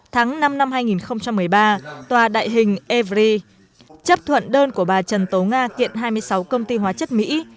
tháng năm năm hai nghìn một mươi ba tòa đại hình evry chấp thuận đơn của bà trần tố nga kiện hai mươi sáu công ty hóa chất mỹ